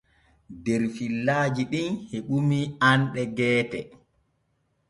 Der fillajiɗin heɓuni anɗe geete.